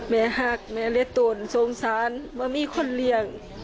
แม่ฮักแม่เร็ดตุ๋นสงสารไม่มีคนเลี้ยง